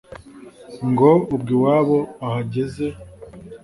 ngo ubwo iwabo bahageze